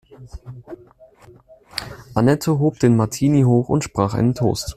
Annette hob den Martini hoch und sprach ein Toast.